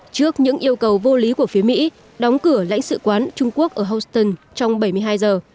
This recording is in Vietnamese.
trước những yêu cầu vô lý của phía mỹ đóng cửa lãnh sự quán trung quốc ở houston trong bảy mươi hai giờ